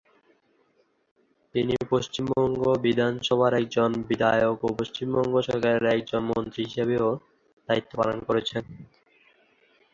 তিনি পশ্চিমবঙ্গ বিধানসভার একজন বিধায়ক ও পশ্চিমবঙ্গ সরকারের একজন মন্ত্রী হিসেবেও দায়িত্ব পালন করেছেন।